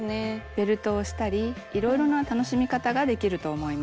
ベルトをしたりいろいろな楽しみ方ができると思います。